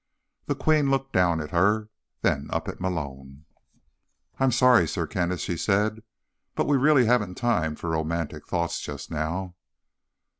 The Queen looked down at her, then up at Malone. "I'm sorry, Sir Kenneth," she said, "but we really haven't time for romantic thoughts just now."